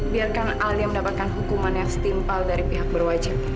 biarkan alia mendapatkan hukuman yang setimpal dari pihak berwajib